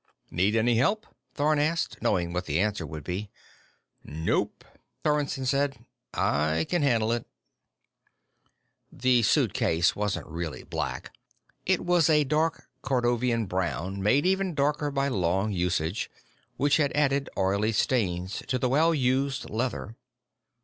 "Need any help?" Thorn asked, knowing what the answer would be. "Nope," Sorensen said. "I can handle it." The suitcase wasn't really black. It was a dark cordovan brown, made even darker by long usage, which had added oily stains to the well used leather.